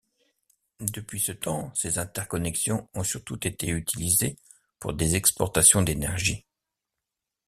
Depuis ce temps, ces interconnexions ont surtout été utilisées pour des exportations d'énergie.